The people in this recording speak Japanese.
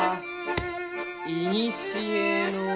「いにしへの」。